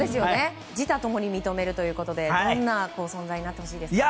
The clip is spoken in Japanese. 自他ともに認めるということでどんな存在になってほしいですか？